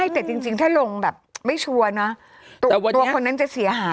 แต่จริงถ้าลงแบบไม่ชัวร์เนอะตัวคนนั้นจะเสียหาย